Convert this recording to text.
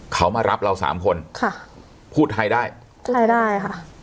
เขามารับเราสามคนค่ะพูดไทยได้ไทยได้ค่ะ